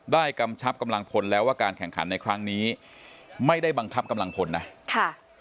กำชับกำลังพลแล้วว่าการแข่งขันในครั้งนี้ไม่ได้บังคับกำลังพลนะค่ะ